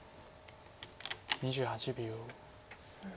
２８秒。